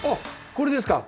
これですか？